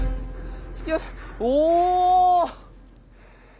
着きましたお！